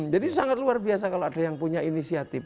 jadi sangat luar biasa kalau ada yang punya inisiatif